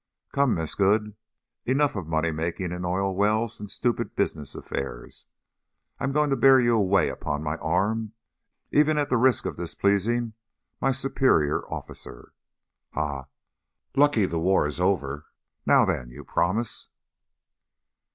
Come, Miss Good! Enough of money making and oil wells and stupid business affairs. I am going to bear you away upon my arm, even at the risk of displeasing my superior officer. Ha! Lucky the war is over. Now then, your promise."